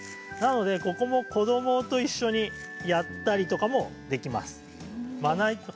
ここも子どもと一緒にやったりとかもできます。